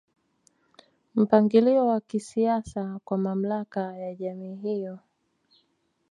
Mpangilio wa kisiasa kwa mamlaka ya jamii hiyo